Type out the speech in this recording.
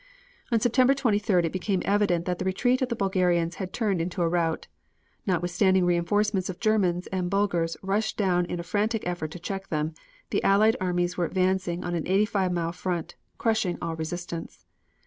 On September 23d it became evident that the retreat of the Bulgarians had turned into a rout. Notwithstanding reinforcements of Germans and Bulgars rushed down in a frantic effort to check them, the Allied armies were advancing on an eighty five mile front, crushing all resistance.